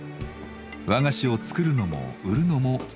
和菓子を作るのも売るのも親子３人で。